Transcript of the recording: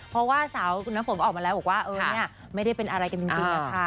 เพราะว่าสาวคุณน้ำฝนก็ออกมาแล้วบอกว่าเออเนี่ยไม่ได้เป็นอะไรกันจริงนะคะ